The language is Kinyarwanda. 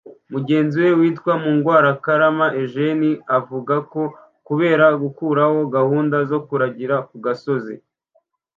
Mugenzi we witwa Mungwarakarama Eugene avuga ko kubera gukuraho gahunda zo kuragira ku gasozi